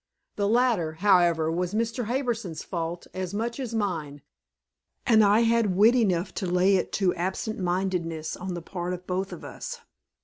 The latter, however, was Mr. Harbison's fault as much as mine, and I had wit enough to lay it to absent mindedness on the part of both of us.